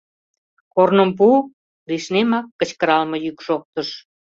Корным пу! — лишнемак кычкыралме йӱк шоктыш.